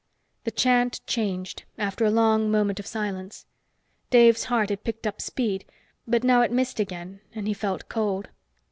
The chant changed, after a long moment of silence. Dave's heart had picked up speed, but now it missed again, and he felt cold.